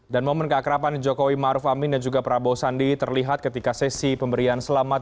dan momen keakrapan jokowi maruf amin dan juga prabowo sandi terlihat ketika sesi pemberian selamat